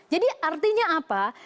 jadi artinya apa